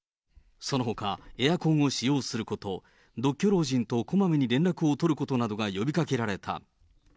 そのほかエアコンを使用すること、独居老人とこまめに連絡を取ることなどが呼びかけられた。